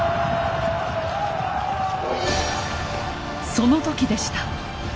その時でした。